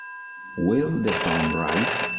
Will The Sun Rise?